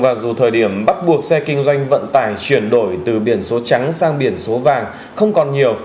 và dù thời điểm bắt buộc xe kinh doanh vận tải chuyển đổi từ biển số trắng sang biển số vàng không còn nhiều